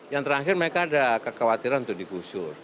yang terakhir mereka ada kekhawatiran untuk digusur